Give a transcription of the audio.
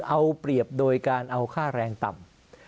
เอาเปรียบโดยการเอาค่าแรงต่ำ